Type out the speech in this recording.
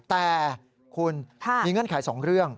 แต่คุณมีเงื่อนไข๒เรื่อง